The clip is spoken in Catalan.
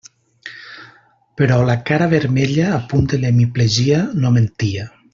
Però la cara vermella, a punt de l'hemiplegia, no mentia.